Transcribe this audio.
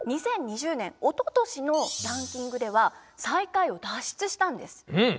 ２０２０年おととしのランキングでは最下位を脱出したんです。